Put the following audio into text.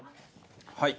はい。